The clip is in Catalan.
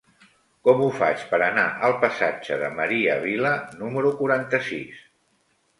Com ho faig per anar al passatge de Maria Vila número quaranta-sis?